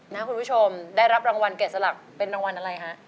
คุณผู้ชมได้รับรางวัลแกะสลักเป็นรางวัลอะไรฮะ